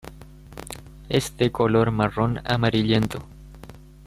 Es de color marrón amarillento.